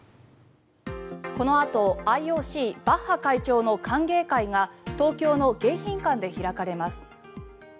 このあとＩＯＣ、バッハ会長の歓迎会が東京の迎賓館で開かれます。